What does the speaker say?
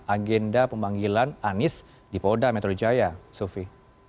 agenda pemanggilan anies di polda metro jaya sufi